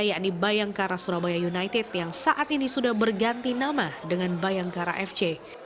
yakni bayangkara surabaya united yang saat ini sudah berganti nama dengan bayangkara fc